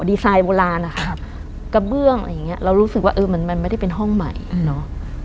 ดีไซน์โบราณนะคะกระเบื้องอะไรอย่างเงี้ยเรารู้สึกว่าเออมันมันไม่ได้เป็นห้องใหม่เนาะ